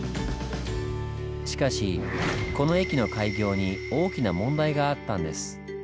しかしこの駅の開業に大きな問題があったんです。